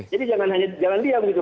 jadi jangan diam gitu